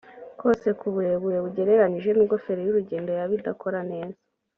kose ku burebure bugereranije nubwo feri y’urugendo yaba idakora neza